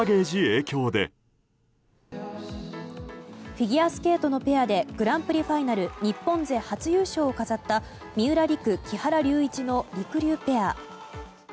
フィギュアスケートのペアでグランプリファイナル日本勢初優勝を飾った三浦璃来、木原龍一のりくりゅうペア。